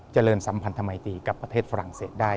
เจริญสัมพันธ์ธรรมไอตีกับประเทศฝรั่งเศสได้